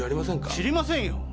知りませんよ！